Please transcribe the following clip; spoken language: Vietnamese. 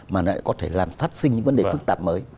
mà lại có thể làm phát sinh những vấn đề phức tạp mới